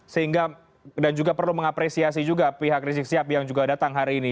sehingga dan juga perlu mengapresiasi juga pihak rizik sihab yang juga datang hari ini